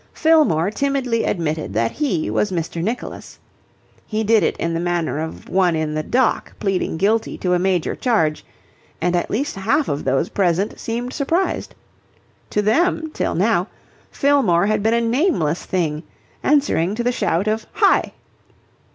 Fillmore timidly admitted that he was Mr. Nicholas. He did it in the manner of one in the dock pleading guilty to a major charge, and at least half of those present seemed surprised. To them, till now, Fillmore had been a nameless thing, answering to the shout of "Hi!"